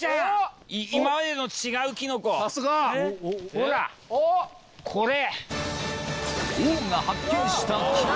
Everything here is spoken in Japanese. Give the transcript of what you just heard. ほらこれ。